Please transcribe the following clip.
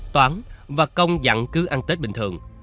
toán và công dặn cứ ăn tết bình thường